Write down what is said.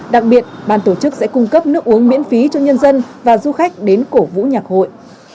đặc biệt ban tổ chức sẽ cung cấp nước uống miễn phí cho nhân dân và du khách đến cổ vũ nhạc hội